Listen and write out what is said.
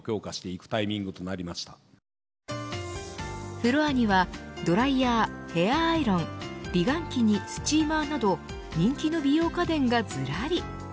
フロアにはドライヤーヘアーアイロン美顔器にスチーマーなど人気の美容家電がずらり。